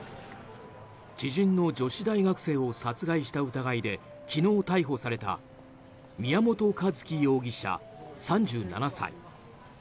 知人の女子大学生を殺害した疑いで昨日逮捕された宮本一希容疑者、３７歳。